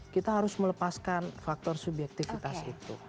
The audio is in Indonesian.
kita harus melepaskan faktor subjektivitas itu